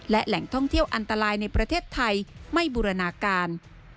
และแหล่งท่องเที่ยวอันตรายในประเทศไทยไม่บูรณาการ